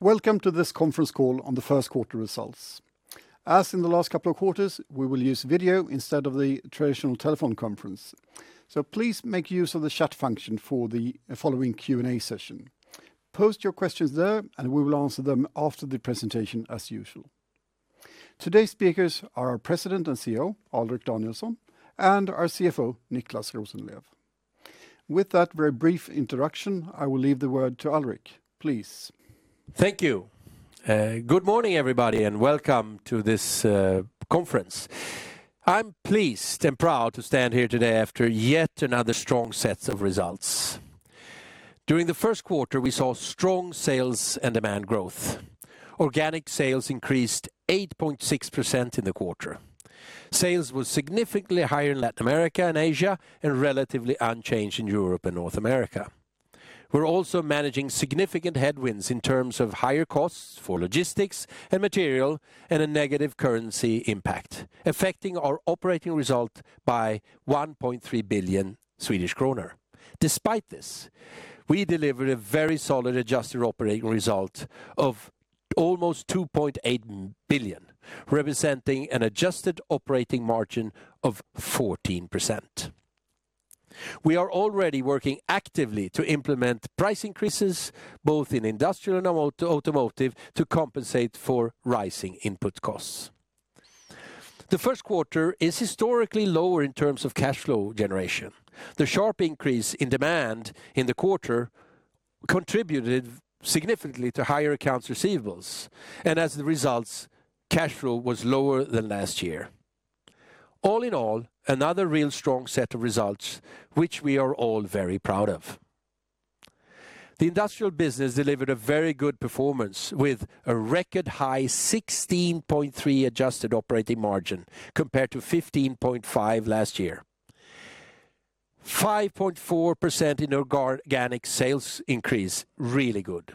Welcome to this conference call on the Q1 results. As in the last couple of quarters, we will use video instead of the traditional telephone conference. Please make use of the chat function for the following Q&A session. Post your questions there, and we will answer them after the presentation as usual. Today's speakers are our President and CEO, Alrik Danielson, and our CFO, Niclas Rosenlew. With that very brief introduction, I will leave the word to Alrik, please. Thank you. Good morning, everybody, and welcome to this conference. I'm pleased and proud to stand here today after yet another strong set of results. During the first quarter, we saw strong sales and demand growth. Organic sales increased 8.6% in the quarter. Sales were significantly higher in Latin America and Asia, and relatively unchanged in Europe and North America. We're also managing significant headwinds in terms of higher costs for logistics and material, and a negative currency impact, affecting our operating result by 1.3 billion Swedish kronor. Despite this, we delivered a very solid adjusted operating result of almost 2.8 billion, representing an adjusted operating margin of 14%. We are already working actively to implement price increases, both in Industrial and Automotive, to compensate for rising input costs. The first quarter is historically lower in terms of cash flow generation. The sharp increase in demand in the quarter contributed significantly to higher accounts receivables, as a result, cash flow was lower than last year. All in all, another real strong set of results which we are all very proud of. The Industrial business delivered a very good performance with a record high 16.3% adjusted operating margin compared to 15.5% last year. 5.4% in organic sales increase, really good.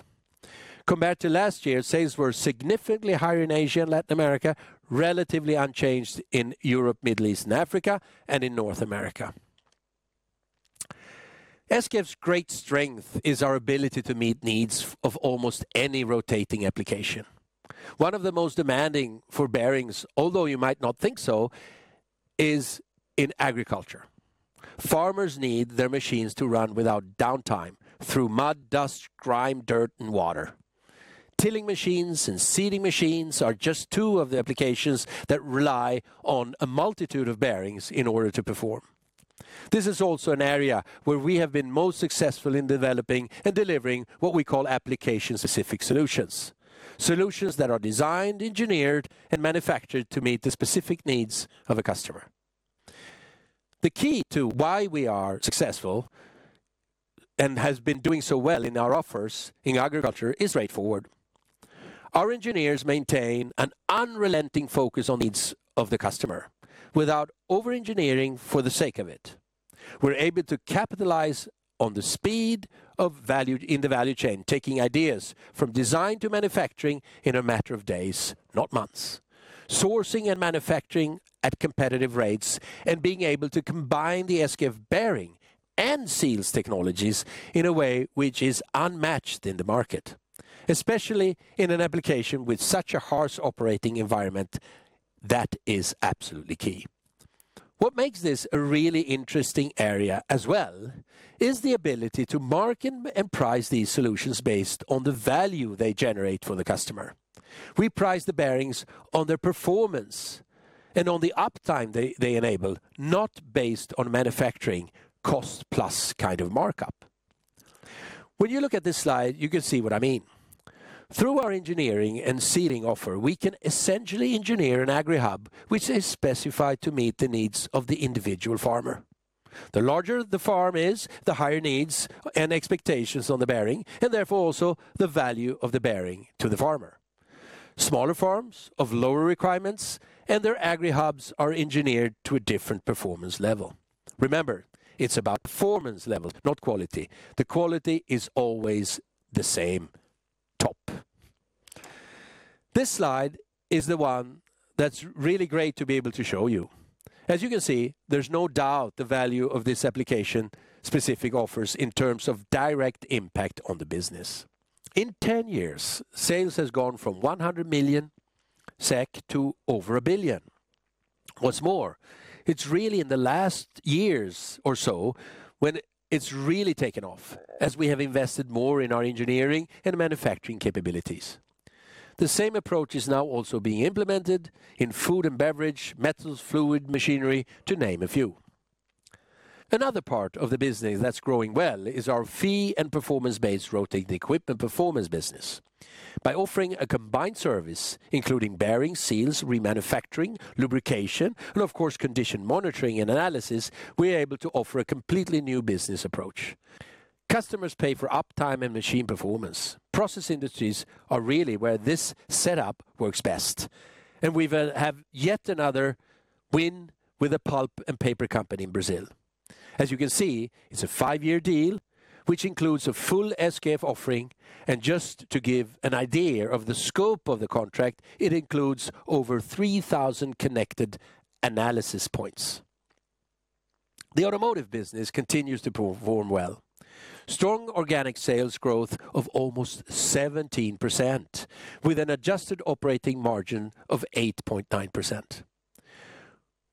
Compared to last year, sales were significantly higher in Asia and Latin America, relatively unchanged in Europe, Middle East and Africa, and in North America. SKF's great strength is our ability to meet needs of almost any rotating application. One of the most demanding for bearings, although you might not think so, is in agriculture. Farmers need their machines to run without downtime through mud, dust, grime, dirt, and water. Tilling machines and seeding machines are just two of the applications that rely on a multitude of bearings in order to perform. This is also an area where we have been most successful in developing and delivering what we call application-specific solutions. Solutions that are designed, engineered, and manufactured to meet the specific needs of a customer. The key to why we are successful and have been doing so well in our offers in agriculture is straightforward. Our engineers maintain an unrelenting focus on needs of the customer without over-engineering for the sake of it. We're able to capitalize on the speed in the value chain, taking ideas from design to manufacturing in a matter of days, not months. Sourcing and manufacturing at competitive rates and being able to combine the SKF bearing and seals technologies in a way which is unmatched in the market. Especially in an application with such a harsh operating environment, that is absolutely key. What makes this a really interesting area as well is the ability to market and price these solutions based on the value they generate for the customer. We price the bearings on their performance and on the uptime they enable, not based on manufacturing cost-plus kind of markup. When you look at this slide, you can see what I mean. Through our engineering and seeding offer, we can essentially engineer an Agri Hub which is specified to meet the needs of the individual farmer. The larger the farm is, the higher needs and expectations on the bearing, and therefore also the value of the bearing to the farmer. Smaller farms have lower requirements, and their Agri Hubs are engineered to a different performance level. Remember, it's about performance level, not quality. The quality is always the same, top. This slide is the one that's really great to be able to show you. As you can see, there's no doubt the value of this application-specific offers in terms of direct impact on the business. In 10 years, sales has gone from 100 million SEK to over 1 billion. It's really in the last years or so when it's really taken off, as we have invested more in our engineering and manufacturing capabilities. The same approach is now also being implemented in food and beverage, metals, fluid machinery, to name a few. Another part of the business that's growing well is our fee and performance-based rotating equipment performance business. By offering a combined service, including bearing, seals, remanufacturing, lubrication, and of course, condition monitoring and analysis, we are able to offer a completely new business approach. Customers pay for uptime and machine performance. Process industries are really where this setup works best, and we have yet another win with a pulp and paper company in Brazil. As you can see, it's a five-year deal, which includes a full SKF offering, and just to give an idea of the scope of the contract, it includes over 3,000 connected analysis points. The Automotive business continues to perform well. Strong organic sales growth of almost 17%, with an adjusted operating margin of 8.9%.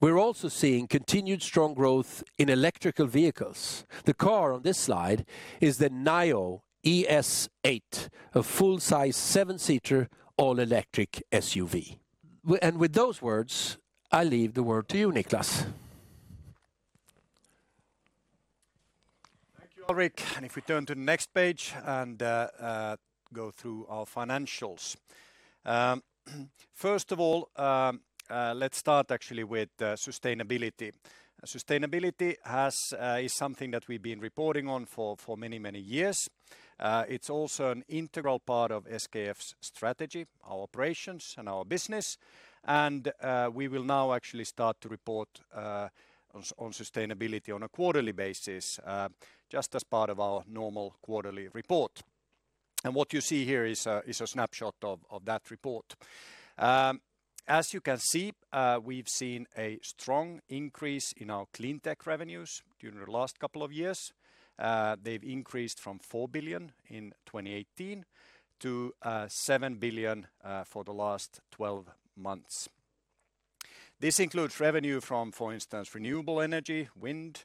We're also seeing continued strong growth in electrical vehicles. The car on this slide is the NIO ES8, a full-size seven-seater all-electric SUV. With those words, I leave the word to you, Niclas. Thank you, Alrik. If we turn to the next page and go through our financials. First of all, let's start actually with sustainability. Sustainability is something that we've been reporting on for many, many years. It's also an integral part of SKF's strategy, our operations, and our business, and we will now actually start to report on sustainability on a quarterly basis, just as part of our normal quarterly report. What you see here is a snapshot of that report. As you can see, we've seen a strong increase in our clean tech revenues during the last couple of years. They've increased from 4 billion in 2018 to 7 billion for the last 12 months. This includes revenue from, for instance, renewable energy, wind,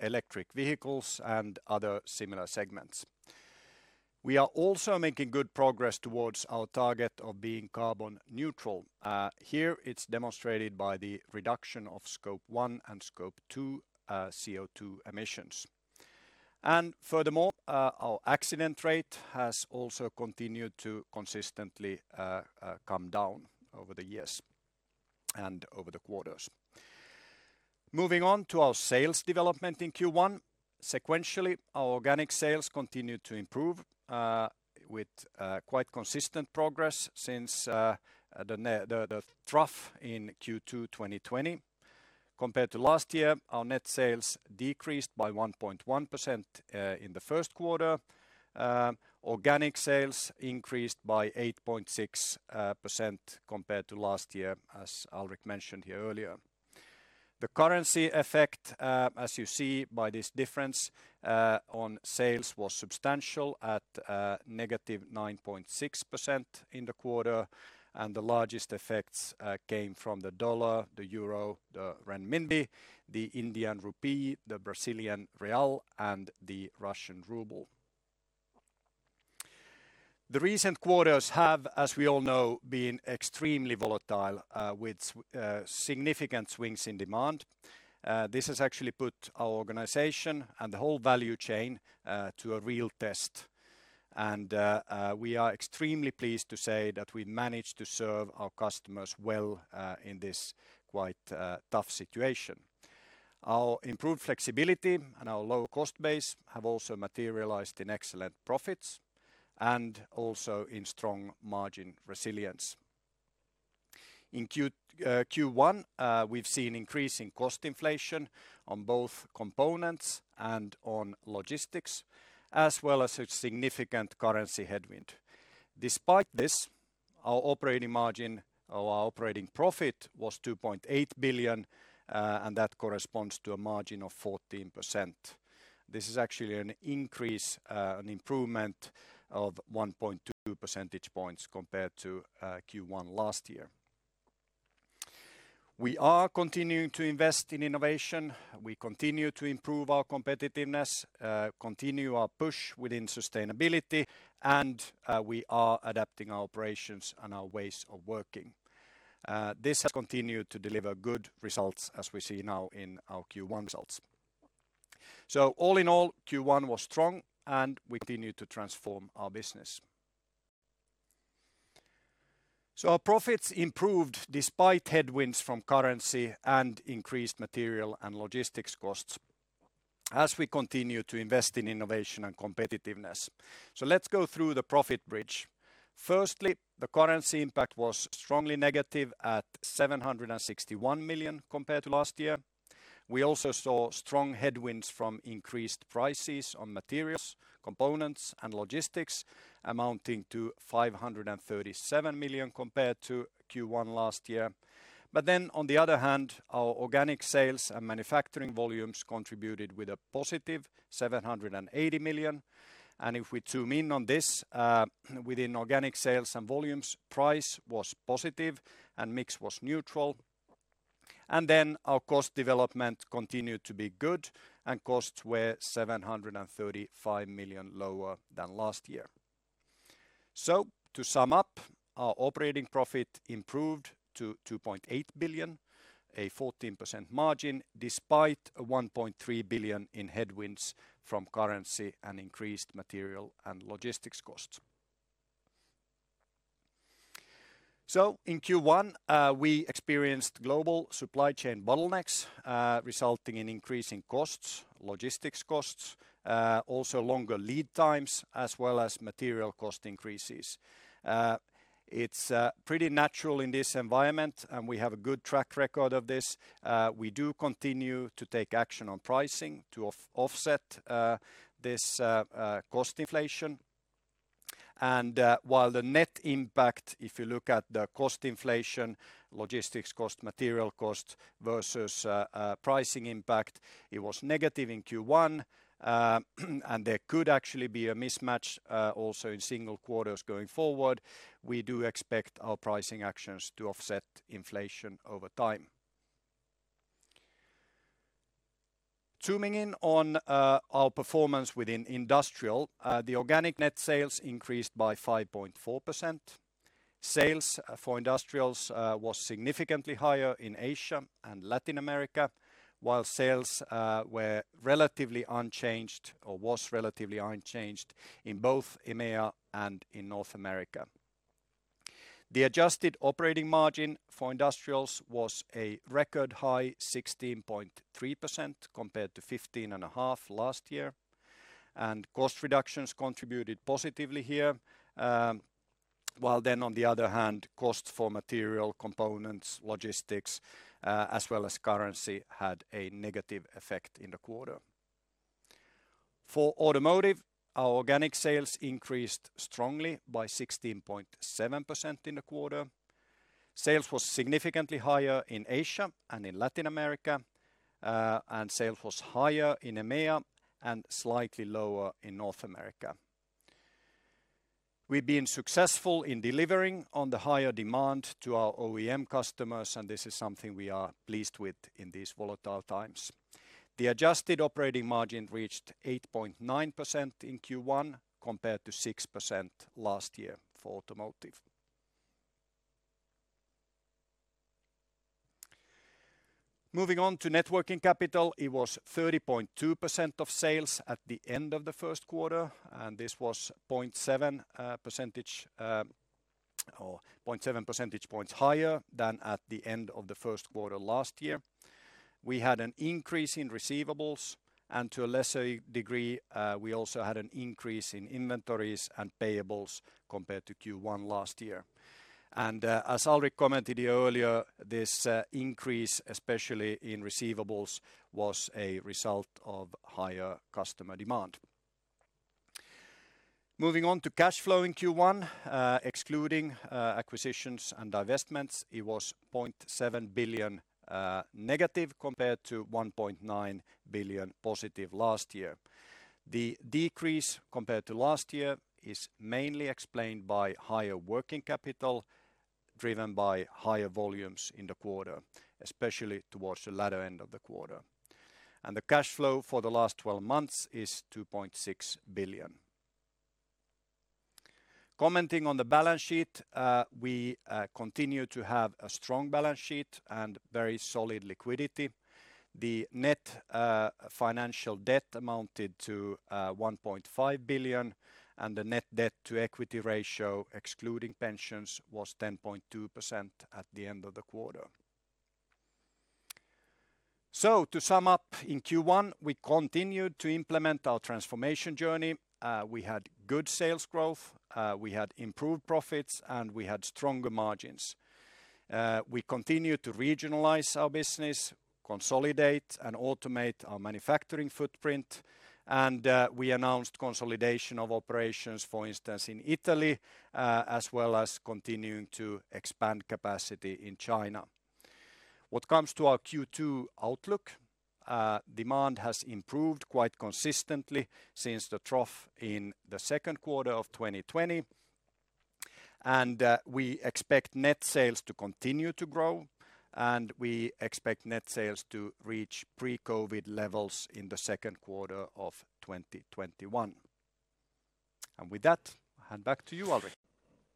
electric vehicles, and other similar segments. We are also making good progress towards our target of being carbon neutral. Here it's demonstrated by the reduction of Scope 1 and Scope 2 CO2 emissions. Furthermore, our accident rate has also continued to consistently come down over the years and over the quarters. Moving on to our sales development in Q1. Sequentially, our organic sales continued to improve with quite consistent progress since the trough in Q2 2020. Compared to last year, our net sales decreased by 1.1% in the first quarter. Organic sales increased by 8.6% compared to last year, as Alrik mentioned here earlier. The currency effect, as you see by this difference on sales, was substantial at -9.6% in the quarter, and the largest effects came from the dollar, the euro, the renminbi, the Indian rupee, the Brazilian real, and the Russian ruble. The recent quarters have, as we all know, been extremely volatile with significant swings in demand. This has actually put our organization and the whole value chain to a real test, and we are extremely pleased to say that we managed to serve our customers well in this quite tough situation. Our improved flexibility and our low cost base have also materialized in excellent profits and also in strong margin resilience. In Q1, we've seen increasing cost inflation on both components and on logistics, as well as a significant currency headwind. Despite this, our operating margin or our operating profit was 2.8 billion, and that corresponds to a margin of 14%. This is actually an increase, an improvement of 1.2 percentage points compared to Q1 last year. We are continuing to invest in innovation. We continue to improve our competitiveness, continue our push within sustainability, and we are adapting our operations and our ways of working. This has continued to deliver good results, as we see now in our Q1 results. All in all, Q1 was strong and we continue to transform our business. Our profits improved despite headwinds from currency and increased material and logistics costs as we continue to invest in innovation and competitiveness. Let's go through the profit bridge. Firstly, the currency impact was strongly negative at 761 million compared to last year. We also saw strong headwinds from increased prices on materials, components, and logistics amounting to 537 million compared to Q1 last year. On the other hand, our organic sales and manufacturing volumes contributed with a +780 million. If we zoom in on this within organic sales and volumes, price was positive and mix was neutral. Our cost development continued to be good and costs were 735 million lower than last year. To sum up, our operating profit improved to 2.8 billion, a 14% margin despite a 1.3 billion in headwinds from currency and increased material and logistics costs. In Q1, we experienced global supply chain bottlenecks resulting in increasing costs, logistics costs, also longer lead times, as well as material cost increases. It's pretty natural in this environment, and we have a good track record of this. We do continue to take action on pricing to offset this cost inflation. While the net impact, if you look at the cost inflation, logistics cost, material cost versus pricing impact, it was negative in Q1. There could actually be a mismatch also in single quarters going forward. We do expect our pricing actions to offset inflation over time. Zooming in on our performance within Industrial, the organic net sales increased by 5.4%. Sales for Industrials was significantly higher in Asia and Latin America, while sales was relatively unchanged in both EMEA and in North America. The adjusted operating margin for Industrials was a record high 16.3%, compared to 15.5% last year, and cost reductions contributed positively here. While, on the other hand, cost for material components, logistics, as well as currency, had a negative effect in the quarter. For Automotive, our organic sales increased strongly by 16.7% in the quarter. Sales was significantly higher in Asia and in Latin America, and sales was higher in EMEA and slightly lower in North America. We've been successful in delivering on the higher demand to our OEM customers, and this is something we are pleased with in these volatile times. The adjusted operating margin reached 8.9% in Q1 compared to 6% last year for Automotive. Moving on to net working capital, it was 30.2% of sales at the end of the first quarter. This was 0.7 percentage points higher than at the end of the first quarter last year. We had an increase in receivables. To a lesser degree, we also had an increase in inventories and payables compared to Q1 last year. As Alrik commented earlier, this increase, especially in receivables, was a result of higher customer demand. Moving on to cash flow in Q1, excluding acquisitions and divestments, it was -0.7 billion compared to +1.9 billion last year. The decrease compared to last year is mainly explained by higher working capital, driven by higher volumes in the quarter, especially towards the latter end of the quarter. The cash flow for the last 12 months is 2.6 billion. Commenting on the balance sheet, we continue to have a strong balance sheet and very solid liquidity. The net financial debt amounted to 1.5 billion, and the net debt to equity ratio, excluding pensions, was 10.2% at the end of the quarter. To sum up, in Q1, we continued to implement our transformation journey. We had good sales growth, we had improved profits, and we had stronger margins. We continued to regionalize our business, consolidate and automate our manufacturing footprint, and we announced consolidation of operations, for instance, in Italy, as well as continuing to expand capacity in China. What comes to our Q2 outlook, demand has improved quite consistently since the trough in the second quarter of 2020, and we expect net sales to continue to grow, and we expect net sales to reach pre-COVID levels in the second quarter of 2021. With that, I hand back to you, Alrik.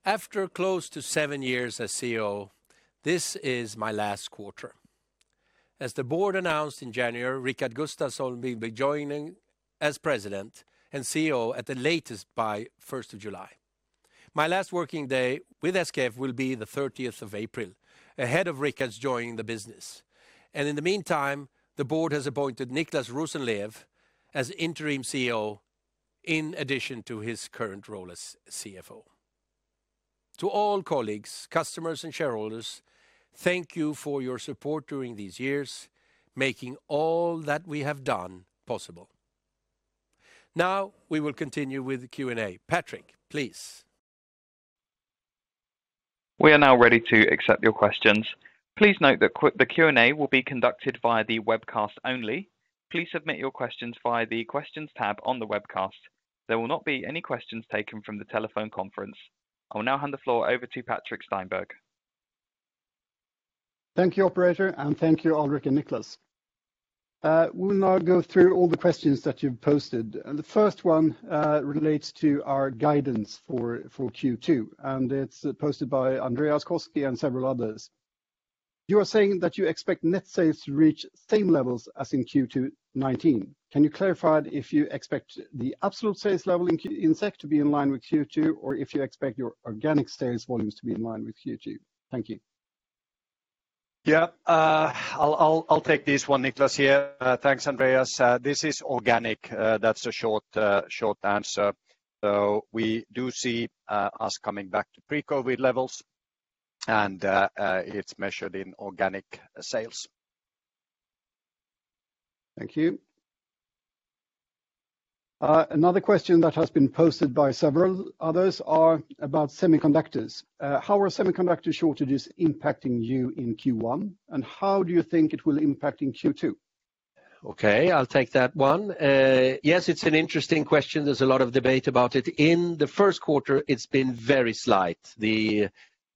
After close to seven years as CEO, this is my last quarter. As the board announced in January, Rickard Gustafson will be joining as President and CEO at the latest by 1st of July. My last working day with SKF will be the 30th of April, ahead of Rickard's joining the business. In the meantime, the board has appointed Niclas Rosenlew as interim CEO in addition to his current role as CFO. To all colleagues, customers, and shareholders, thank you for your support during these years, making all that we have done possible. We will continue with the Q&A. Patrik, please. We are now ready to accept your questions. Please note that the Q&A will be conducted via the webcast only. Please submit your questions via the Questions tab on the webcast. There will not be any questions taken from the telephone conference. I will now hand the floor over to Patrik Stenberg. Thank you, operator, and thank you Alrik and Niclas. We will now go through all the questions that you've posted, and the first one relates to our guidance for Q2, and it's posted by Andreas Koski and several others. You are saying that you expect net sales to reach same levels as in Q2 2019. Can you clarify if you expect the absolute sales level in SEK to be in line with Q2, or if you expect your organic sales volumes to be in line with Q2? Thank you. Yeah. I'll take this one, Niclas here. Thanks, Andreas. This is organic, that's a short answer. We do see us coming back to pre-COVID levels, and it's measured in organic sales Thank you. Another question that has been posted by several others are about semiconductors. How are semiconductor shortages impacting you in Q1, and how do you think it will impact in Q2? Okay, I'll take that one. Yes, it's an interesting question. There's a lot of debate about it. In the first quarter, it's been very slight. The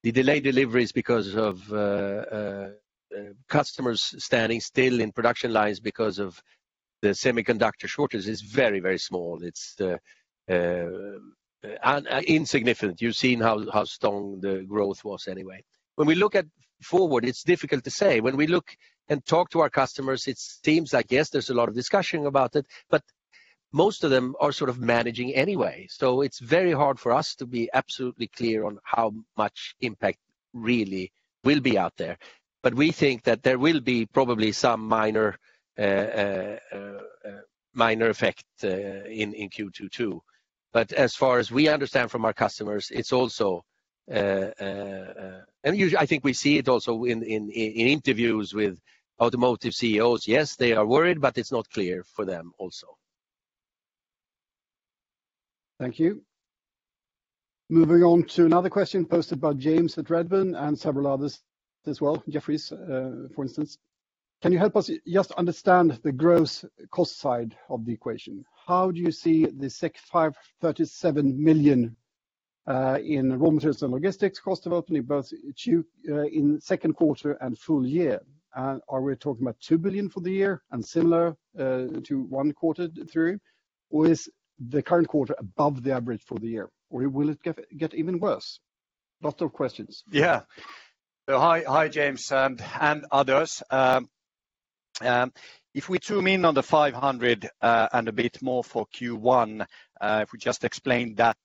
delayed deliveries because of customers standing still in production lines because of the semiconductor shortage is very small. It's insignificant. You've seen how strong the growth was anyway. When we look at forward, it's difficult to say. When we look and talk to our customers, it seems like, yes, there's a lot of discussion about it, most of them are sort of managing anyway. It's very hard for us to be absolutely clear on how much impact really will be out there. We think that there will be probably some minor effect in Q2 too. As far as we understand from our customers, I think we see it also in interviews with automotive CEOs. Yes, they are worried, but it's not clear for them also. Thank you. Moving on to another question posted by James at Redburn and several others as well, Jefferies for instance. Can you help us just understand the gross cost side of the equation? How do you see the 537 million in raw materials and logistics cost development in both in second quarter and full year? Are we talking about 2 billion for the year and similar to one quarter through? Is the current quarter above the average for the year? Will it get even worse? Lots of questions. Hi, James and others. If we zoom in on the 500 and a bit more for Q1, if we just explain that.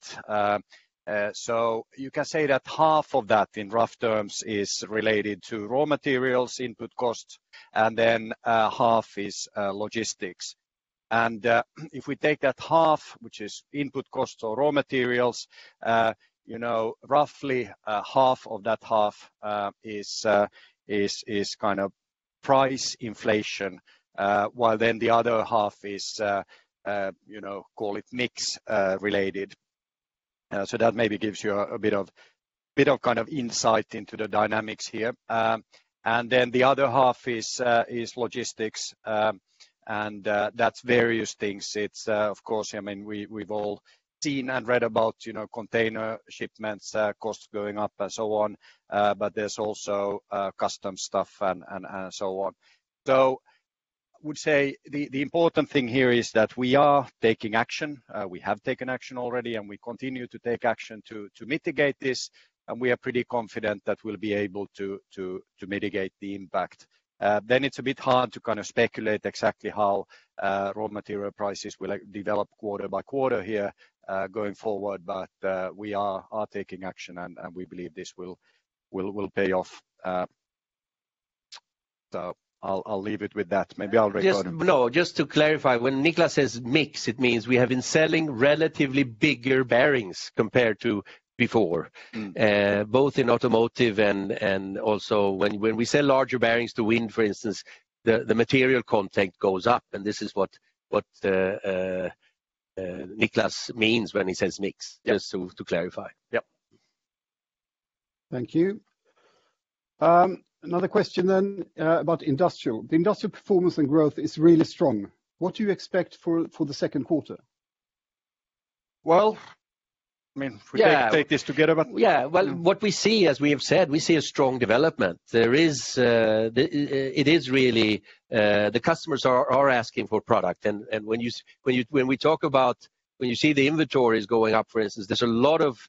You can say that half of that, in rough terms, is related to raw materials input costs, and then half is logistics. If we take that half, which is input costs or raw materials, roughly half of that half is kind of price inflation, while then the other half is, call it mix related. That maybe gives you a bit of insight into the dynamics here. Then the other half is logistics, and that's various things. It's of course, we've all seen and read about container shipments costs going up and so on. There's also custom stuff and so on. I would say the important thing here is that we are taking action. We have taken action already, and we continue to take action to mitigate this, and we are pretty confident that we'll be able to mitigate the impact. It's a bit hard to speculate exactly how raw material prices will develop quarter by quarter here going forward. We are taking action, and we believe this will pay off. I'll leave it with that. No, just to clarify, when Niclas says mix, it means we have been selling relatively bigger bearings compared to before. Both in Automotive and also when we sell larger bearings to wind, for instance, the material content goes up, and this is what Niclas means when he says mix. Yeah. Just to clarify. Yep. Thank you. Another question then about Industrial. The Industrial performance and growth is really strong. What do you expect for the second quarter? Well, we take this together. Yeah. Well, what we see, as we have said, we see a strong development. The customers are asking for product. When you see the inventories going up, for instance, there's a lot of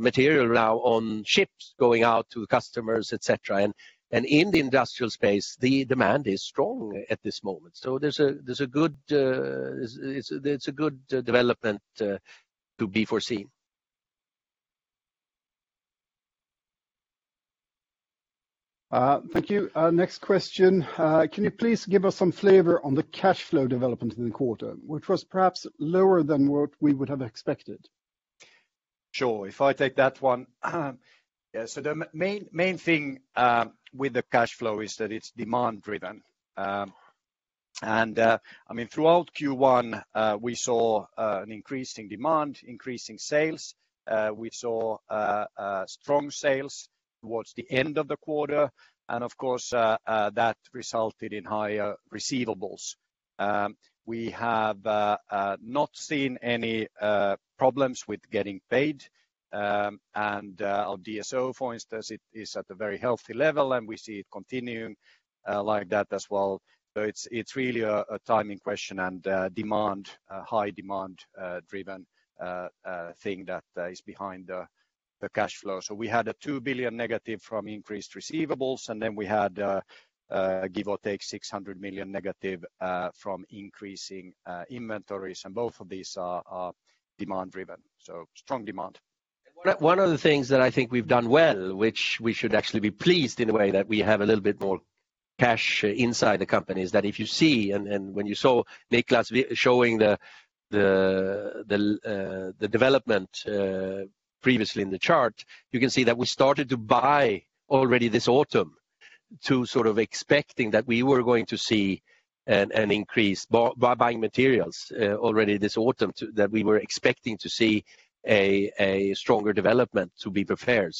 material now on ships going out to customers, et cetera. In the Industrial space, the demand is strong at this moment. There's a good development to be foreseen. Thank you. Next question. Can you please give us some flavor on the cash flow development in the quarter, which was perhaps lower than what we would have expected? Sure. If I take that one. Yeah. The main thing with the cash flow is that it's demand driven. Throughout Q1, we saw an increase in demand, increase in sales. We saw strong sales towards the end of the quarter, and of course, that resulted in higher receivables. We have not seen any problems with getting paid. Our DSO, for instance, is at a very healthy level, and we see it continuing like that as well. It's really a timing question and high demand driven thing that is behind the cash flow. We had -2 billion from increased receivables, and then we had a give or take -600 million from increasing inventories, and both of these are demand driven. Strong demand. One of the things that I think we've done well, which we should actually be pleased in a way that we have a little bit more cash inside the company, is that if you see, and when you saw Niclas showing the development previously in the chart, you can see that we started to buy already this autumn to expecting that we were going to see an increase by buying materials already this autumn, that we were expecting to see a stronger development to be prepared.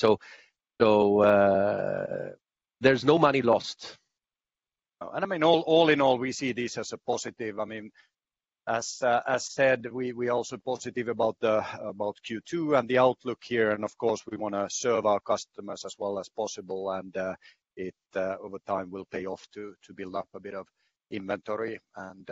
There's no money lost. All in all, we see this as a positive. As said, we are also positive about Q2 and the outlook here, and of course, we want to serve our customers as well as possible, and it, over time, will pay off to build up a bit of inventory and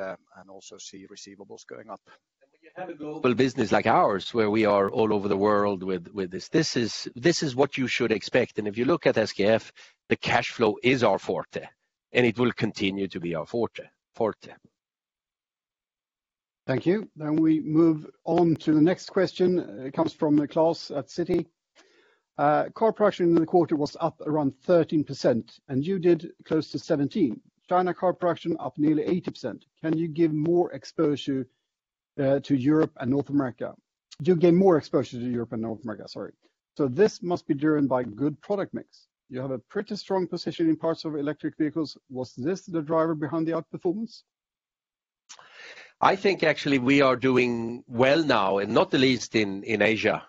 also see receivables going up. When you have a global business like ours, where we are all over the world with this is what you should expect. If you look at SKF, the cash flow is our forte, and it will continue to be our forte. Thank you. We move on to the next question. It comes from Klas at Citi. "Car production in the quarter was up around 13%, and you did close to 17%. China car production up nearly 80%. Can you give more exposure to Europe and North America? This must be driven by good product mix. You have a pretty strong position in parts of electric vehicles. Was this the driver behind the outperformance? I think actually we are doing well now, and not the least in Asia.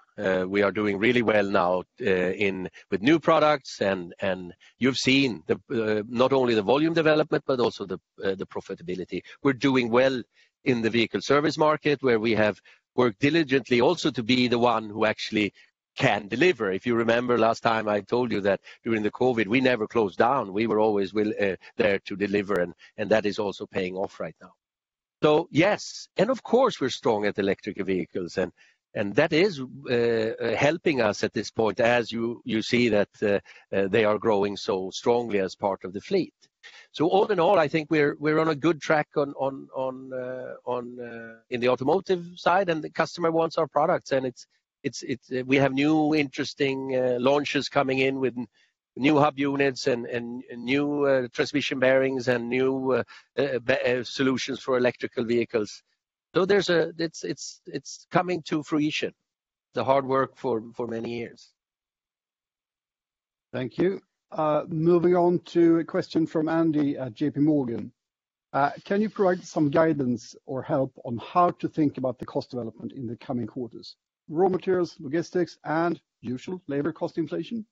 We are doing really well now with new products, and you've seen not only the volume development but also the profitability. We're doing well in the vehicle service market, where we have worked diligently also to be the one who actually can deliver. If you remember last time, I told you that during the COVID, we never closed down. We were always there to deliver, and that is also paying off right now. So yes, and of course, we're strong at electric vehicles and that is helping us at this point as you see that they are growing so strongly as part of the fleet. All in all, I think we're on a good track in the Automotive side, and the customer wants our products. We have new interesting launches coming in with new hub units and new transmission bearings and new solutions for electric vehicles. It's coming to fruition, the hard work for many years. Thank you. Moving on to a question from Andy at JPMorgan. "Can you provide some guidance or help on how to think about the cost development in the coming quarters, raw materials, logistics, and usual labor cost inflation?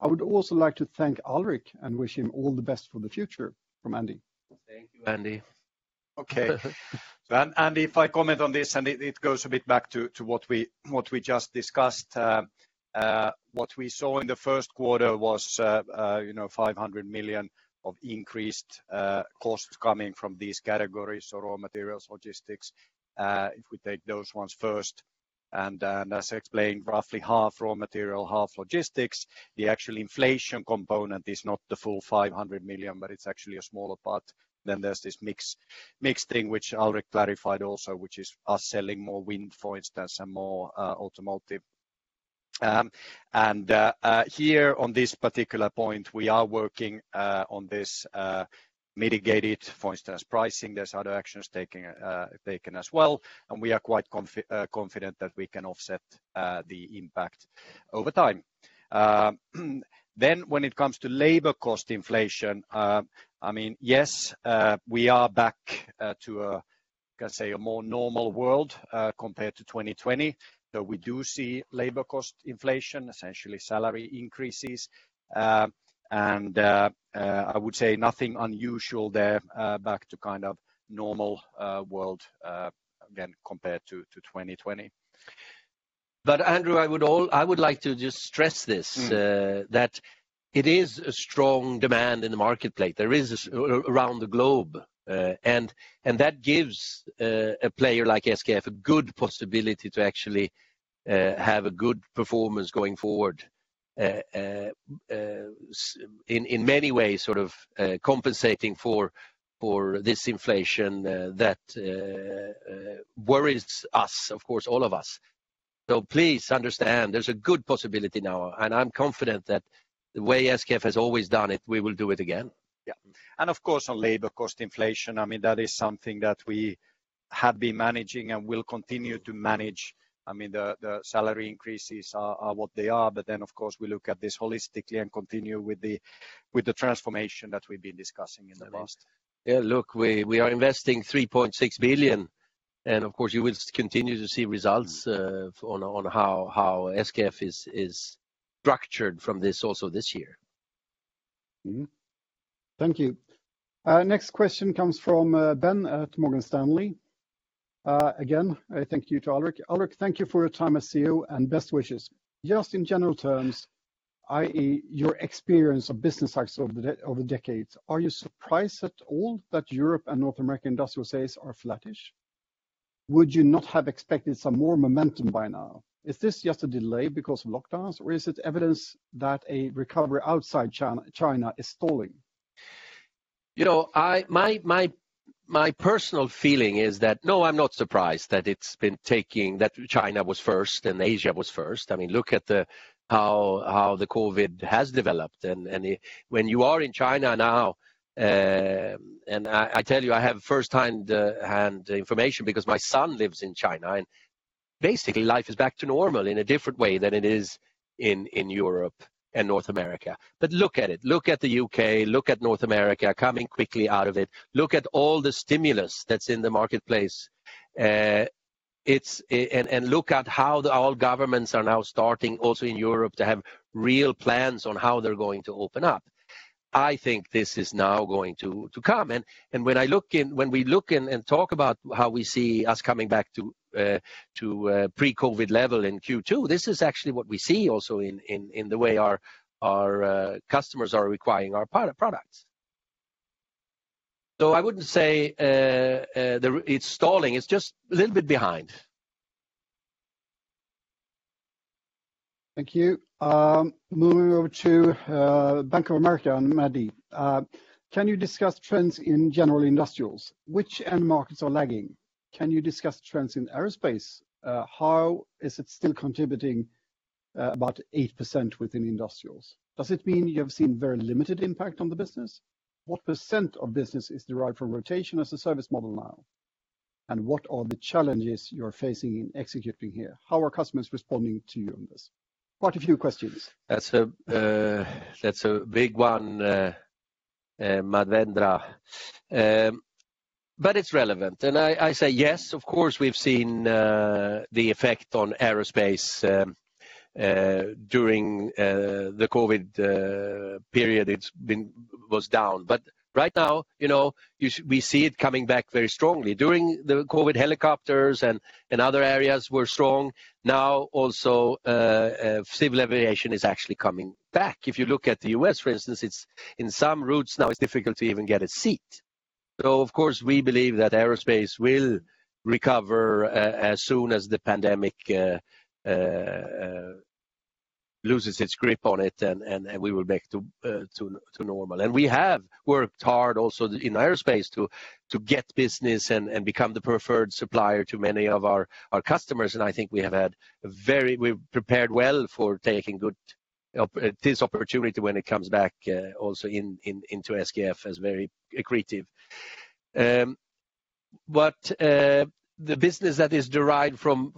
I would also like to thank Alrik and wish him all the best for the future." From Andy. Thank you, Andy. Okay. Andy, if I comment on this, and it goes a bit back to what we just discussed. What we saw in the first quarter was 500 million of increased costs coming from these categories, so raw materials, logistics, if we take those ones first. As explained, roughly half raw material, half logistics. The actual inflation component is not the full 500 million, but it's actually a smaller part. There's this mix thing, which Alrik clarified also, which is us selling more wind, for instance, and more automotive. Here on this particular point, we are working on this mitigated, for instance, pricing. There's other actions taken as well, and we are quite confident that we can offset the impact over time. When it comes to labor cost inflation, yes, we are back to a, can say, a more normal world compared to 2020. We do see labor cost inflation, essentially salary increases. I would say nothing unusual there. Back to kind of normal world, again, compared to 2020. Andrew, I would like to just stress this, that it is a strong demand in the marketplace. There is around the globe. that gives a player like SKF a good possibility to actually have a good performance going forward, in many ways sort of compensating for this inflation that worries us, of course, all of us. please understand there's a good possibility now, and I'm confident that the way SKF has always done it, we will do it again. Yeah. Of course, on labor cost inflation, that is something that we have been managing and will continue to manage. The salary increases are what they are. Of course, we look at this holistically and continue with the transformation that we've been discussing in the past. Yeah, look, we are investing 3.6 billion, and of course, you will continue to see results on how SKF is structured from this also this year. Thank you. Next question comes from Ben at Morgan Stanley: Again, thank you to Alrik. Alrik, thank you for your time as CEO and best wishes. Just in general terms, i.e., your experience of business cycles over decades, are you surprised at all that Europe and North American Industrial sales are flattish? Would you not have expected some more momentum by now? Is this just a delay because of lockdowns, or is it evidence that a recovery outside China is stalling? My personal feeling is that, no, I'm not surprised that it's been taking, that China was first and Asia was first. Look at how the COVID has developed. when you are in China now, and I tell you, I have first-hand information because my son lives in China and basically, life is back to normal in a different way than it is in Europe and North America. But look at it, look at the U.K., look at North America coming quickly out of it. Look at all the stimulus that's in the marketplace. Look at how all governments are now starting also in Europe to have real plans on how they're going to open up. I think this is now going to come. When we look in and talk about how we see us coming back to pre-COVID level in Q2, this is actually what we see also in the way our customers are requiring our products. I wouldn't say it's stalling. It's just a little bit behind. Thank you. Moving over to Bank of America and Maidi. Can you discuss trends in general industrials? Which end markets are lagging? Can you discuss trends in aerospace? How is it still contributing about 8% within Industrials? Does it mean you have seen very limited impact on the business? What percent of business is derived from rotation as a service model now? What are the challenges you're facing in executing here? How are customers responding to you on this? Quite a few questions. That's a big one, [Madhvendra]. It's relevant. I say, yes, of course, we've seen the effect on aerospace during the COVID period. It was down. Right now, we see it coming back very strongly. During the COVID, helicopters and other areas were strong. Now also, civil aviation is actually coming back. If you look at the U.S., for instance, in some routes now it's difficult to even get a seat. Of course, we believe that aerospace will recover as soon as the pandemic loses its grip on it, and we will be back to normal. We have worked hard also in aerospace to get business and become the preferred supplier to many of our customers. I think we've prepared well for taking this opportunity when it comes back also into SKF as very accretive. The business that is derived from,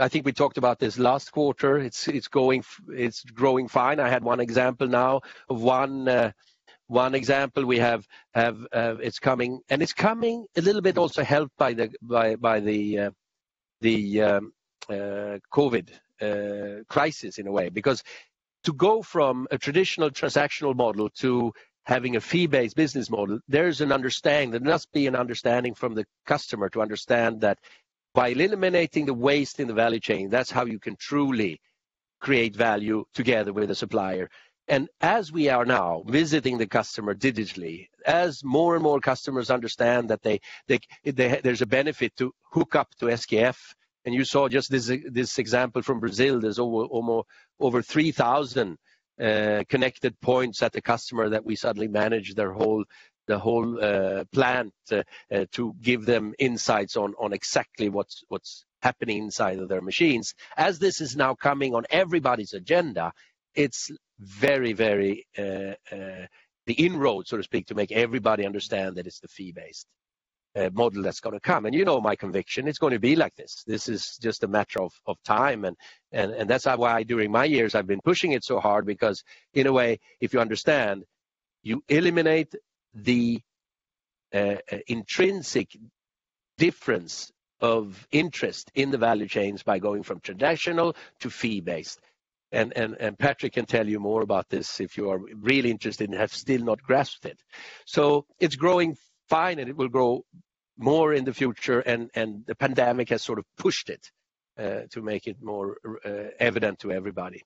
I think we talked about this last quarter, it's growing fine. I had one example now. One example we have, it's coming, and it's coming a little bit also helped by the COVID crisis in a way. Because to go from a traditional transactional model to having a fee-based business model, there must be an understanding from the customer to understand that by eliminating the waste in the value chain, that's how you can truly create value together with the supplier. As we are now visiting the customer digitally, as more and more customers understand that there's a benefit to hook up to SKF. You saw just this example from Brazil, there's over 3,000 connected points at the customer that we suddenly manage their whole plant to give them insights on exactly what's happening inside of their machines. As this is now coming on everybody's agenda, it's very, very the inroad, so to speak, to make everybody understand that it's the fee-based model that's going to come. You know my conviction, it's going to be like this. This is just a matter of time, and that's why during my years, I've been pushing it so hard because in a way, if you understand, you eliminate the intrinsic difference of interest in the value chains by going from traditional to fee-based. Patrik can tell you more about this if you are really interested and have still not grasped it. It's growing fine, and it will grow more in the future, and the pandemic has sort of pushed it to make it more evident to everybody.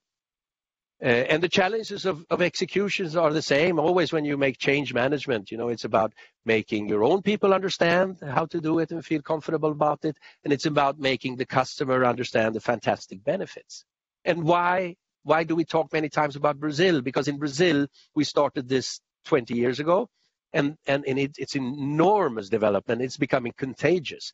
The challenges of executions are the same always when you make change management. It's about making your own people understand how to do it and feel comfortable about it, and it's about making the customer understand the fantastic benefits. Why do we talk many times about Brazil? Because in Brazil, we started this 20 years ago, and it's enormous development. It's becoming contagious.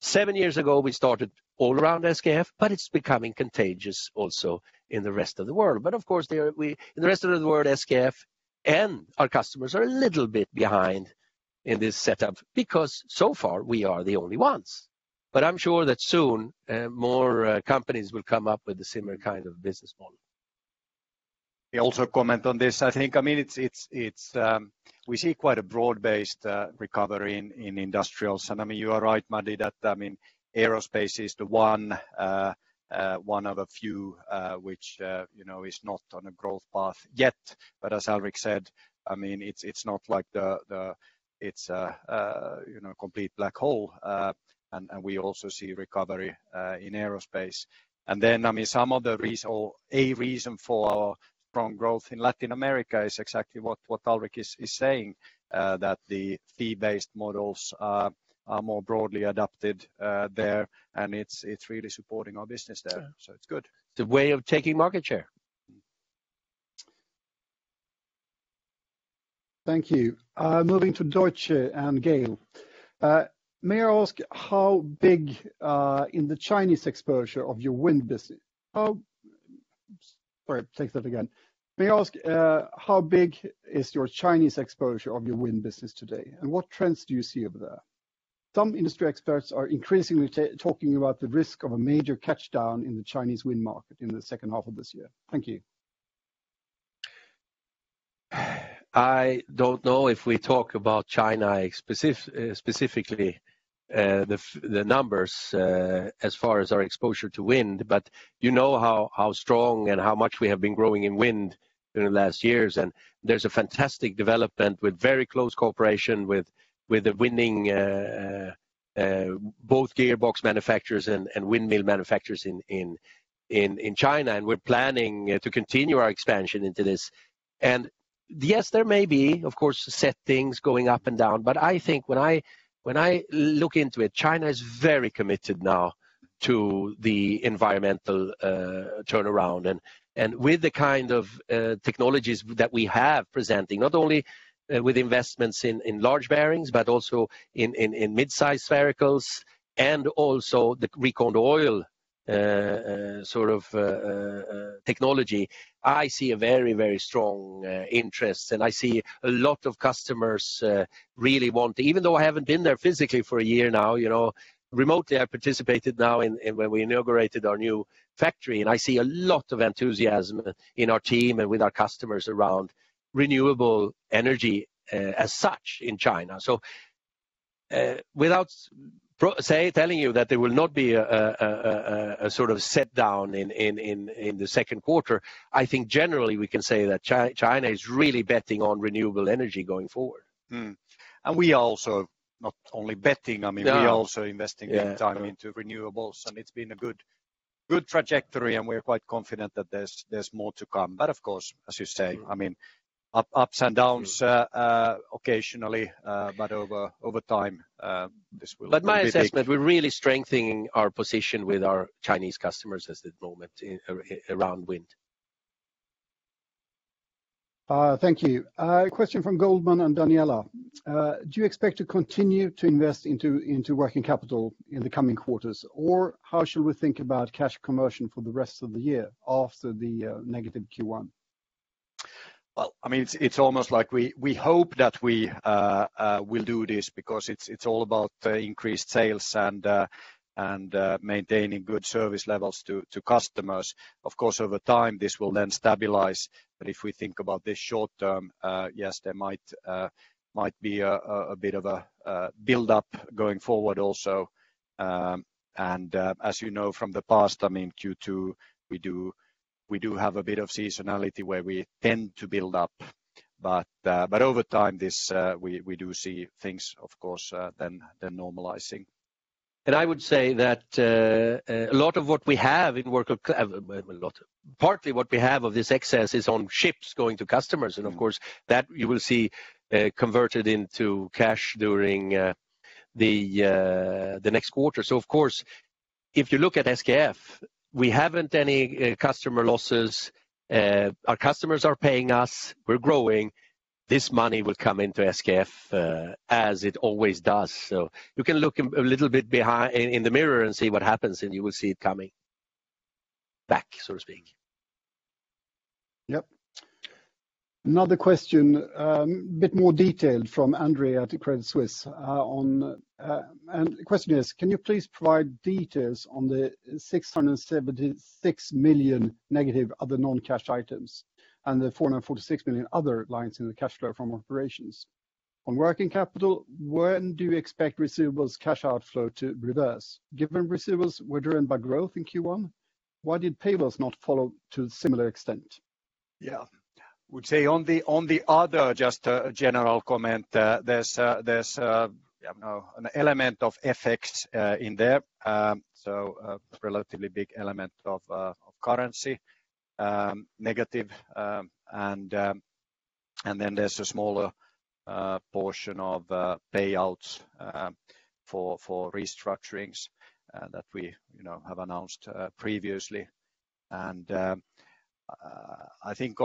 Seven years ago, we started all around SKF, but it's becoming contagious also in the rest of the world. Of course, in the rest of the world, SKF and our customers are a little bit behind in this setup because so far we are the only ones. I'm sure that soon more companies will come up with a similar kind of business model. May I also comment on this? I think we see quite a broad-based recovery in Industrials. You are right, Maidi, that aerospace is the one of a few which is not on a growth path yet. As Alrik said, it's not like it's a complete black hole, and we also see recovery in aerospace. Some of the reason or a reason for our strong growth in Latin America is exactly what Alrik is saying, that the fee-based models are more broadly adopted there, and it's really supporting our business there, so it's good. It's a way of taking market share. Thank you. Moving to Deutsche and Gael. May I ask, how big is your Chinese exposure of your wind business today, and what trends do you see over there? Some industry experts are increasingly talking about the risk of a major catch down in the Chinese wind market in the second half of this year. Thank you. I don't know if we talk about China specifically, the numbers as far as our exposure to wind, but you know how strong and how much we have been growing in wind during the last years. There's a fantastic development with very close cooperation with the winning both gearbox manufacturers and windmill manufacturers in China. We're planning to continue our expansion into this. Yes, there may be, of course, set things going up and down. I think when I look into it, China is very committed now to the environmental turnaround. With the kind of technologies that we have presenting, not only with investments in large bearings but also in mid-size sphericals and also the RecondOil sort of technology, I see a very strong interest. I see a lot of customers really want. Even though I haven't been there physically for a year now, remotely I participated now when we inaugurated our new factory. I see a lot of enthusiasm in our team and with our customers around renewable energy as such in China. Without telling you that there will not be a sort of set down in the second quarter, I think generally we can say that China is really betting on renewable energy going forward. We are also not only betting, we are also investing big time into renewables, and it's been a good trajectory, and we're quite confident that there's more to come. Of course, as you say, ups and downs occasionally, but over time this will be— My assessment, we're really strengthening our position with our Chinese customers as at the moment around wind. Thank you. Question from Goldman on Daniela. Do you expect to continue to invest into working capital in the coming quarters? Or how should we think about cash conversion for the rest of the year after the negative Q1? Well, it's almost like we hope that we will do this because it's all about increased sales and maintaining good service levels to customers. Of course, over time, this will then stabilize. If we think about the short term, yes, there might be a bit of a build-up going forward also. As you know from the past, Q2, we do have a bit of seasonality where we tend to build up. Over time, we do see things, of course, then normalizing. I would say that a lot of what we have in work, partly what we have of this excess is on ships going to customers, and of course, that you will see converted into cash during the next quarter. Of course, if you look at SKF, we haven't any customer losses. Our customers are paying us. We're growing. This money will come into SKF as it always does. You can look a little bit in the mirror and see what happens, and you will see it coming back, so to speak. Yep. Another question, a bit more detailed from Andre at Credit Suisse. The question is, can you please provide details on the -676 million other non-cash items and the 446 million other lines in the cash flow from operations? On working capital, when do you expect receivables cash outflow to reverse? Given receivables were driven by growth in Q1, why did payables not follow to a similar extent? Yeah. I would say on the other, just a general comment, there's an element of effects in there, so a relatively big element of currency negative. there's a smaller portion of payouts for restructurings that we have announced previously. I think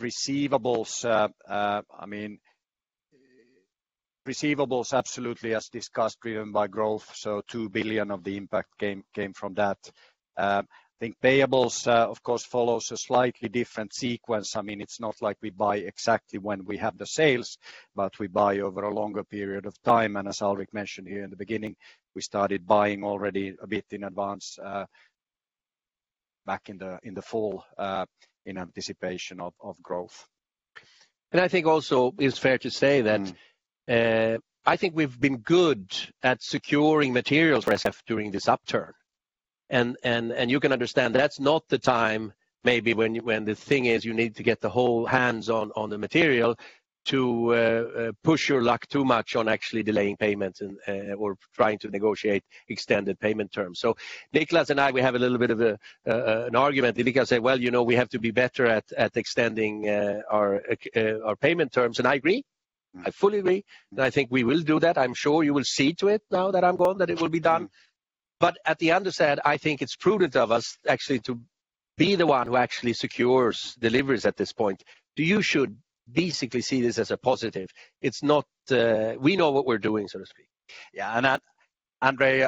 on the receivables, absolutely as discussed, driven by growth, so 2 billion of the impact came from that. I think payables, of course, follows a slightly different sequence. It's not like we buy exactly when we have the sales, but we buy over a longer period of time. As Alrik mentioned here in the beginning, we started buying already a bit in advance back in the fall in anticipation of growth. I think also it's fair to say that I think we've been good at securing materials for SKF during this upturn. You can understand that's not the time maybe when the thing is you need to get the whole hands-on on the material to push your luck too much on actually delaying payments or trying to negotiate extended payment terms. Niclas and I, we have a little bit of an argument. Niclas says, "Well, we have to be better at extending our payment terms." I agree. I fully agree. I think we will do that. I'm sure you will see to it now that I'm gone, that it will be done. At the other side, I think it's prudent of us actually to be the one who actually secures deliveries at this point. You should basically see this as a positive. We know what we're doing, so to speak. Yeah, Andre,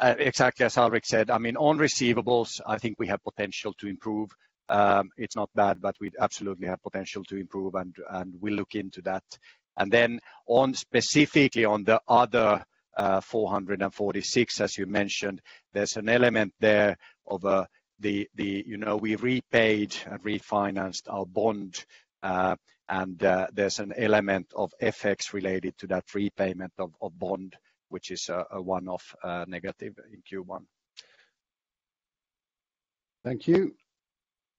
exactly as Alrik said, on receivables, I think we have potential to improve. It's not bad, but we absolutely have potential to improve and, we'll look into that. Specifically on the other 446 million, as you mentioned, there's an element there of we repaid and refinanced our bond, and there's an element of FX related to that repayment of bond, which is a one-off negative in Q1. Thank you.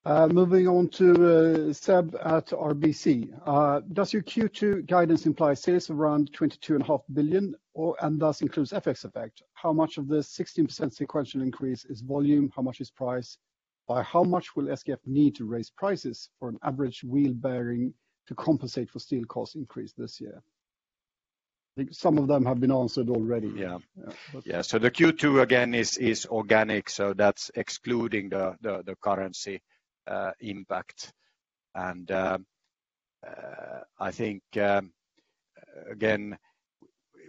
Moving on to Seb at RBC. Does your Q2 guidance imply sales around 22.5 billion and thus includes FX effect? How much of the 16% sequential increase is volume? How much is price? By how much will SKF need to raise prices for an average wheel bearing to compensate for steel cost increase this year? I think some of them have been answered already. Yeah. The Q2 again is organic, so that's excluding the currency impact. I think, again,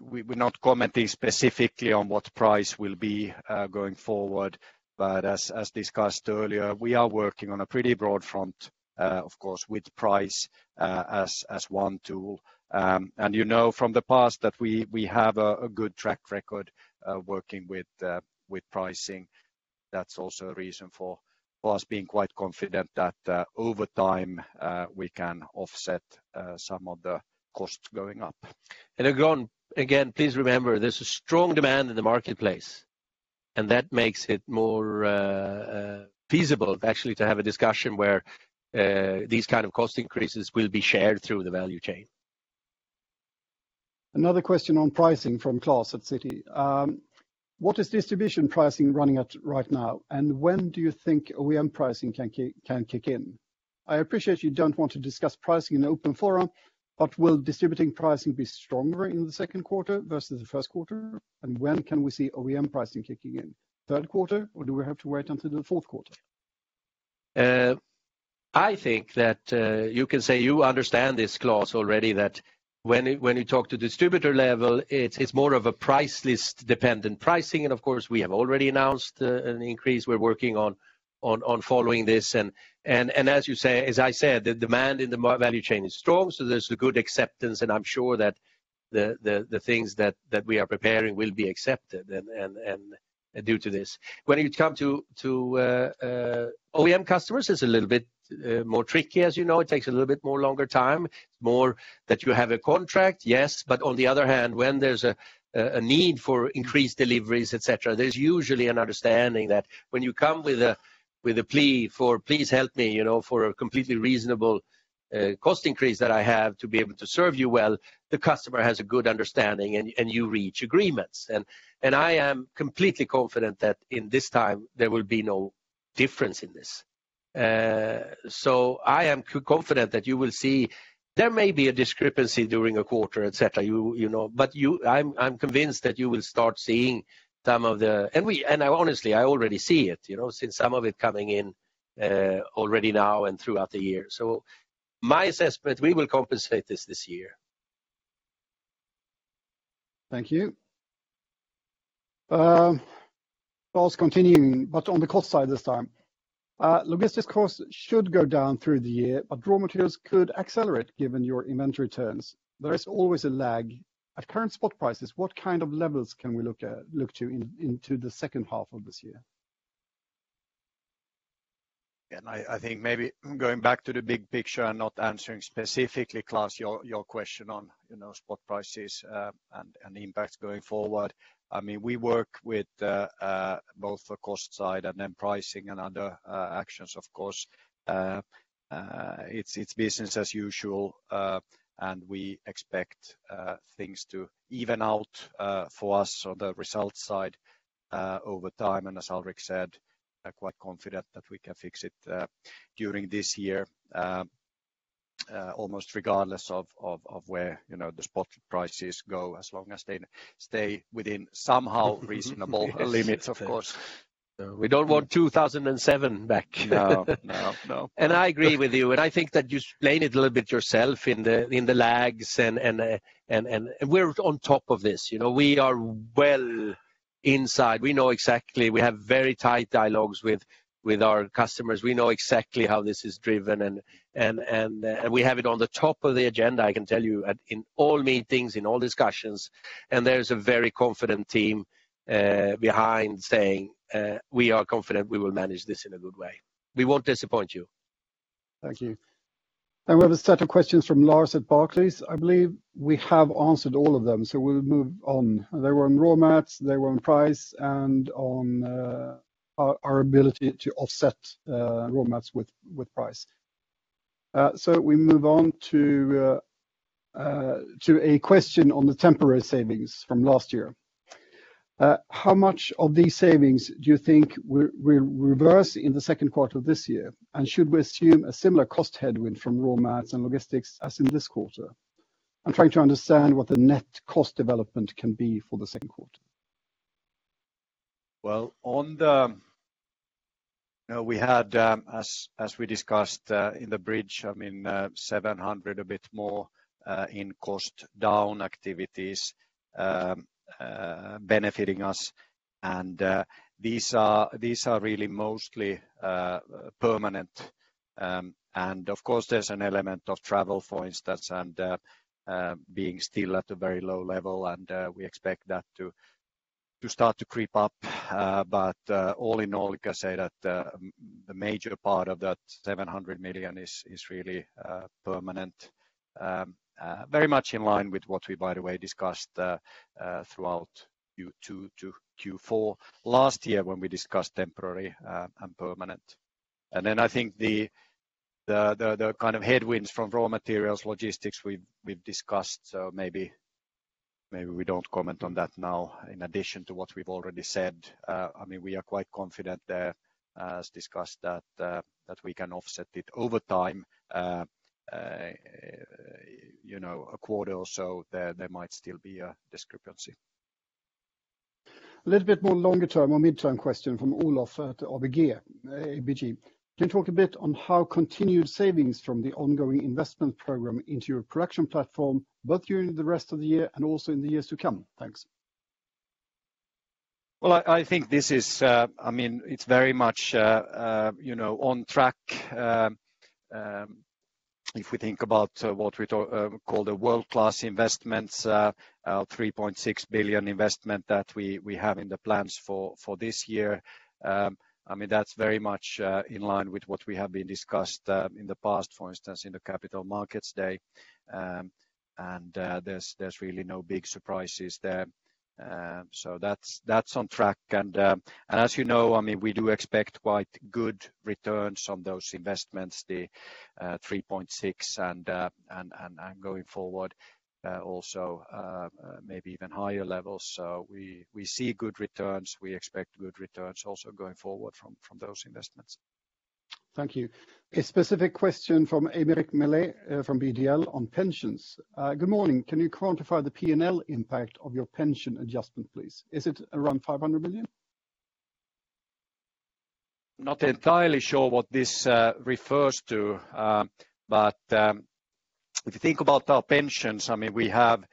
we're not commenting specifically on what price will be going forward. As discussed earlier, we are working on a pretty broad front, of course, with price as one tool. You know from the past that we have a good track record working with pricing. That's also a reason for us being quite confident that over time, we can offset some of the costs going up. Again, please remember, there's a strong demand in the marketplace, and that makes it more feasible actually to have a discussion where these kind of cost increases will be shared through the value chain. Another question on pricing from Klas at Citi. What is distribution pricing running at right now? And when do you think OEM pricing can kick in? I appreciate you don't want to discuss pricing in open forum, but will distribution pricing be stronger in the second quarter versus the first quarter? When can we see OEM pricing kicking in? Third quarter, or do we have to wait until the fourth quarter? I think that you can say you understand this, Klas, already, that when you talk to distributor level, it's more of a price list dependent pricing. Of course, we have already announced an increase. We're working on following this. As I said, the demand in the value chain is strong, so there's a good acceptance, and I'm sure that the things that we are preparing will be accepted and due to this. When it come to OEM customers, it's a little bit more tricky. As you know, it takes a little bit more longer time. More than that you have a contract, yes, but on the other hand, when there's a need for increased deliveries, et cetera, there's usually an understanding that when you come with a plea for, "Please help me, for a completely reasonable cost increase that I have to be able to serve you well," the customer has a good understanding and you reach agreements. I am completely confident that in this time, there will be no difference in this. I am confident that you will see there may be a discrepancy during a quarter, et cetera. I'm convinced that you will start seeing some of it, since some of it coming in already now and throughout the year. My assessment, we will compensate this year. Thank you. Klas continuing, but on the cost side this time. Logistics cost should go down through the year, but raw materials could accelerate given your inventory turns. There is always a lag. At current spot prices, what kind of levels can we look to into the second half of this year? I think maybe going back to the big picture and not answering specifically, Klas, your question on spot prices, and impacts going forward. We work with both the cost side and then pricing and other actions, of course. It's business as usual, and we expect things to even out for us on the results side over time. As Alrik said, quite confident that we can fix it during this year, almost regardless of where the spot prices go, as long as they stay within somehow reasonable limits, of course. We don't want 2007 back. No. I agree with you, and I think that you explained it a little bit yourself in the lags and we're on top of this. We are well inside. We know exactly. We have very tight dialogues with our customers. We know exactly how this is driven and we have it on the top of the agenda, I can tell you, in all meetings, in all discussions. There is a very confident team behind saying, "We are confident we will manage this in a good way." We won't disappoint you. Thank you. We have a set of questions from Lars at Barclays. I believe we have answered all of them, so we'll move on. They were on raw mats, they were on price, and on our ability to offset raw mats with price. We move on to a question on the temporary savings from last year. How much of these savings do you think will reverse in the second quarter of this year? Should we assume a similar cost headwind from raw mats and logistics as in this quarter? I'm trying to understand what the net cost development can be for the second quarter. Well, as we discussed in the bridge, 700 million, a bit more in cost down activities benefiting us. These are really mostly permanent. Of course, there's an element of travel, for instance, and being still at a very low level, and we expect that to start to creep up. All in all, I can say that the major part of that 700 million is really permanent. Very much in line with what we, by the way, discussed throughout Q2 to Q4 last year when we discussed temporary and permanent. I think the kind of headwinds from raw materials, logistics we've discussed, so maybe we don't comment on that now, in addition to what we've already said. We are quite confident there, as discussed, that we can offset it over time. A quarter or so, there might still be a discrepancy. A little bit more longer-term or mid-term question from Olof at ABG. Can you talk a bit on how continued savings from the ongoing investment program into your production platform, both during the rest of the year and also in the years to come? Thanks. Well, I think it's very much on track. If we think about what we call the world-class investments, 3.6 billion investment that we have in the plans for this year. That's very much in line with what we have been discussed in the past, for instance, in the Capital Markets Day. There's really no big surprises there. That's on track. As you know, we do expect quite good returns on those investments, the 3.6 and going forward also, maybe even higher levels. We see good returns, we expect good returns also going forward from those investments. Thank you. A specific question from Aymeric Mellet from BDL on pensions. Good morning. Can you quantify the P&L impact of your pension adjustment, please? Is it around 500 million? Not entirely sure what this refers to. If you think about our pensions, we have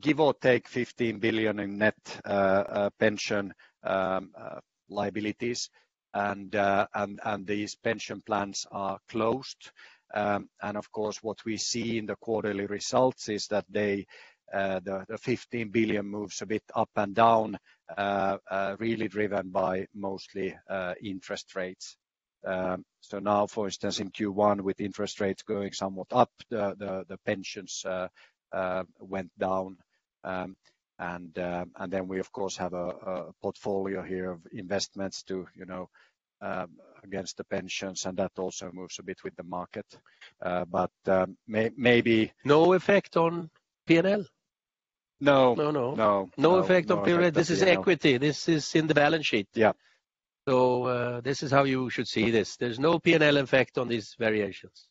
give or take 15 billion in net pension liabilities, and these pension plans are closed. Of course, what we see in the quarterly results is that the 15 billion moves a bit up and down, really driven by mostly interest rates. Now, for instance, in Q1 with interest rates going somewhat up, the pensions went down. We, of course, have a portfolio here of investments against the pensions, and that also moves a bit with the market. Maybe— No effect on P&L? No. No, no. No. No effect on P&L. This is equity. This is in the balance sheet. Yeah. This is how you should see this. There's no P&L effect on these variations.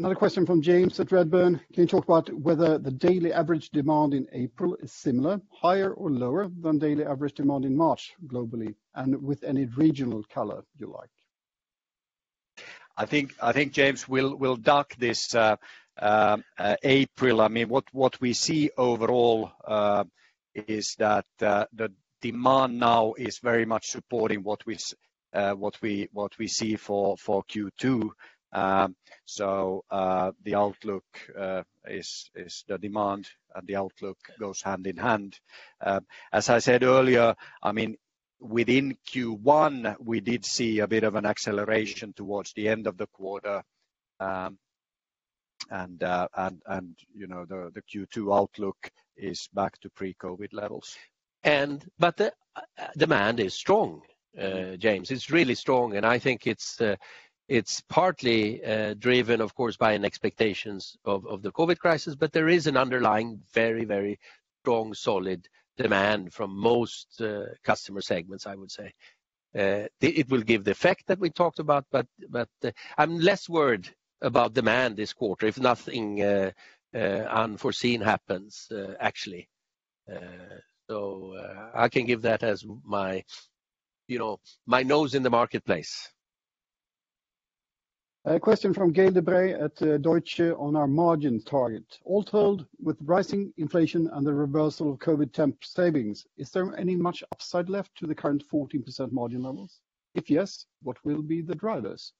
Another question from James at Redburn. Can you talk about whether the daily average demand in April is similar, higher, or lower than daily average demand in March globally, and with any regional color you like? I think, James, we'll duck this April. What we see overall is that the demand now is very much supporting what we see for Q2. The outlook is the demand and the outlook goes hand in hand. As I said earlier, within Q1, we did see a bit of an acceleration towards the end of the quarter, and the Q2 outlook is back to pre-COVID levels. Demand is strong, James. It's really strong, and I think it's partly driven, of course, by an expectations of the COVID crisis, but there is an underlying, very, very strong, solid demand from most customer segments, I would say. It will give the effect that we talked about, but I'm less worried about demand this quarter if nothing unforeseen happens, actually. I can give that as my nose in the marketplace. A question from Gael de-Bray at Deutsche on our margin target. All told, with rising inflation and the reversal of COVID temp savings, is there any much upside left to the current 14% margin levels? If yes, what will be the drivers?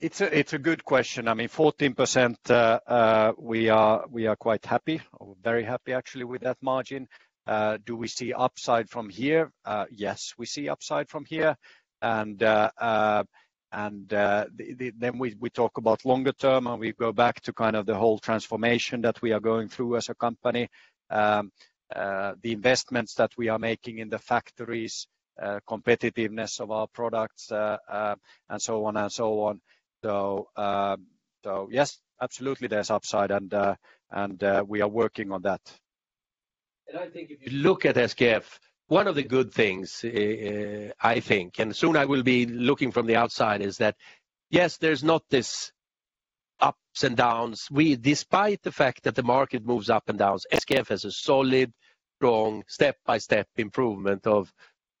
It's a good question. 14%, we are quite happy. Very happy, actually, with that margin. Do we see upside from here? Yes, we see upside from here. We talk about longer term, and we go back to kind of the whole transformation that we are going through as a company. The investments that we are making in the factories, competitiveness of our products, and so on. Yes, absolutely, there's upside, and we are working on that I think if you look at SKF, one of the good things, I think, and soon I will be looking from the outside, is that, yes, there's not this ups and downs. Despite the fact that the market moves up and down, SKF has a solid, strong step-by-step improvement of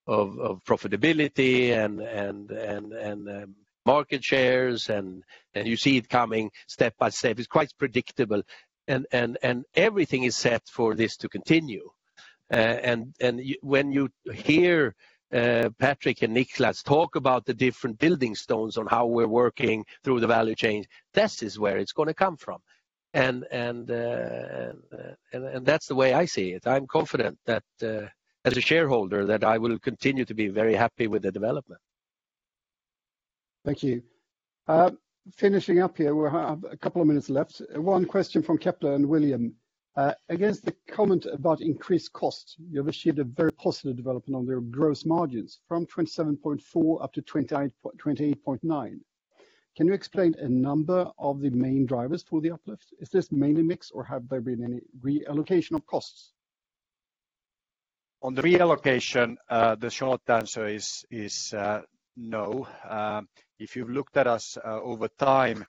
profitability and market shares, and you see it coming step by step. It's quite predictable, and everything is set for this to continue. When you hear Patrik and Niclas talk about the different building stones on how we're working through the value chain, this is where it's going to come from. That's the way I see it. I'm confident that, as a shareholder, that I will continue to be very happy with the development. Thank you. Finishing up here, we have a couple of minutes left. One question from Kepler and William. Against the comment about increased costs, you have achieved a very positive development on their gross margins from 27.4% up to 28.9%. Can you explain a number of the main drivers for the uplift? Is this mainly mix, or have there been any reallocation of costs? On the reallocation, the short answer is no. If you've looked at us over time,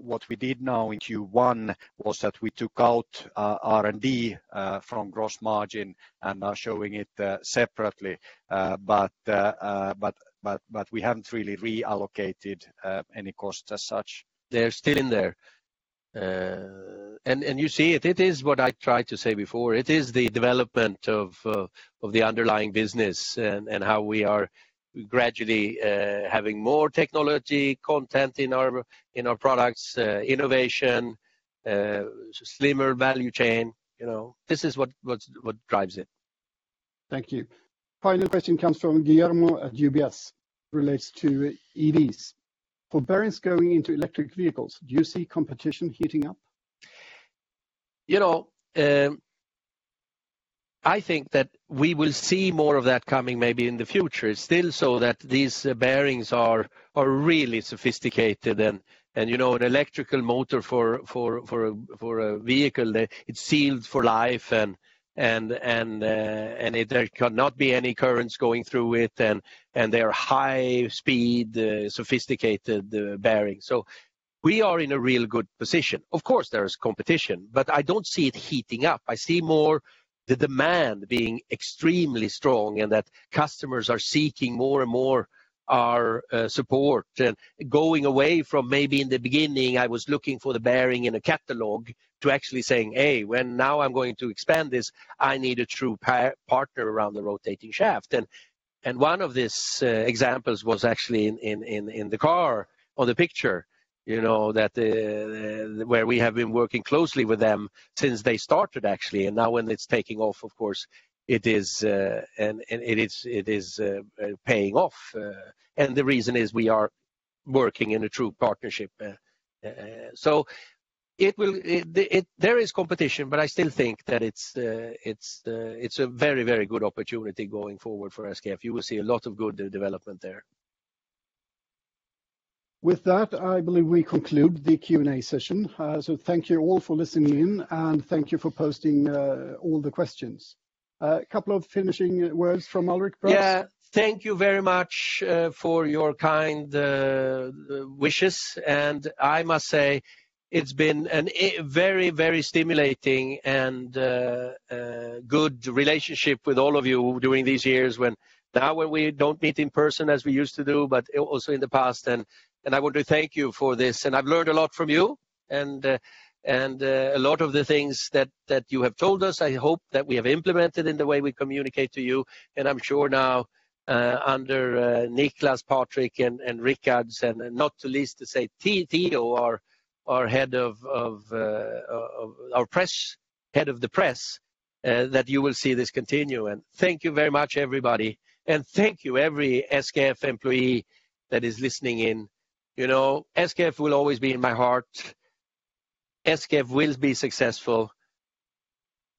what we did now in Q1 was that we took out R&D from gross margin and are showing it separately. We haven't really reallocated any costs as such. They're still in there. You see it. It is what I tried to say before. It is the development of the underlying business and how we are gradually having more technology content in our products, innovation, slimmer value chain. This is what drives it. Thank you. Final question comes from Guillermo at UBS, relates to EVs. For bearings going into electric vehicles, do you see competition heating up? I think that we will see more of that coming maybe in the future. It's still so that these bearings are really sophisticated. An electrical motor for a vehicle, it's sealed for life, and there cannot be any currents going through it, and they are high-speed sophisticated bearings. We are in a real good position. Of course, there is competition, but I don't see it heating up. I see more the demand being extremely strong and that customers are seeking more and more our support and going away from maybe in the beginning, I was looking for the bearing in a catalog to actually saying, "Hey, now I'm going to expand this. I need a true partner around the rotating shaft." One of these examples was actually in the car on the picture where we have been working closely with them since they started, actually. Now when it's taking off, of course, it is paying off. The reason is we are working in a true partnership. There is competition, but I still think that it's a very, very good opportunity going forward for SKF. You will see a lot of good development there. With that, I believe we conclude the Q&A session. Thank you all for listening in, and thank you for posting all the questions. A couple of finishing words from Alrik, perhaps? Yeah. Thank you very much for your kind wishes. I must say it's been a very, very stimulating and good relationship with all of you during these years, now when we don't meet in person as we used to do, but also in the past. I want to thank you for this. I've learned a lot from you. A lot of the things that you have told us, I hope that we have implemented in the way we communicate to you. I'm sure now under Niclas, Patrik, and Rickard, and not to least to say, Theo, our Head of the Press, that you will see this continue. Thank you very much, everybody. Thank you, every SKF employee that is listening in. SKF will always be in my heart. SKF will be successful.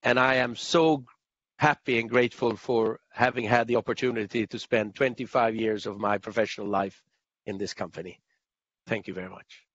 I am so happy and grateful for having had the opportunity to spend 25 years of my professional life in this company. Thank you very much.